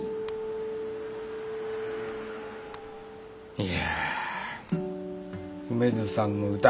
いや梅津さんの歌